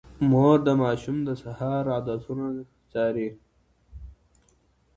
مور د ماشوم د سهار عادتونه څاري.